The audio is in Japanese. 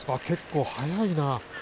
結構、速いな。